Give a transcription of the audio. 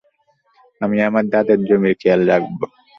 আমি আমার দাদার জমির খেয়াল রাখবো।